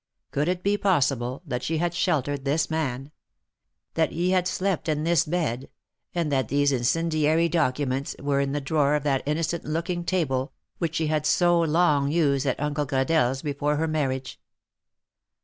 Could it be possible that she had sheltered this man — that he had slept in this bed, and that these incendiary docu ments were in the drawer of that innocent looking table, which she had so long used at Uncle Gradelle's before her marriage?